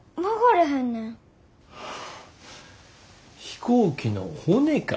飛行機の骨か？